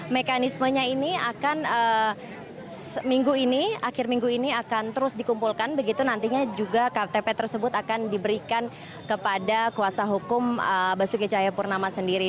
mekanismenya ini akan minggu ini akhir minggu ini akan terus dikumpulkan begitu nantinya juga ktp tersebut akan diberikan kepada kuasa hukum basuki cahayapurnama sendiri